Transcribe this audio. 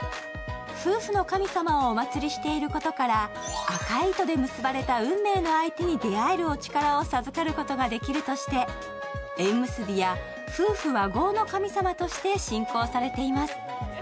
夫婦の神様をおまつりしていることから赤い糸で結ばれた運命の相手に出会えるお力を授かることができるとして、縁結びや夫婦和合の神様として信仰されています。